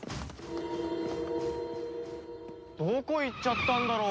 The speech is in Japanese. どこ行っちゃったんだろう？